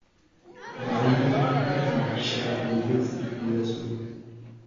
মহেন্দ্র রাত্রে মাতার সেবা করিবে স্থির করিয়াছিল।